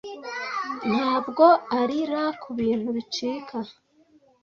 Ntabwo arira kubintu bicika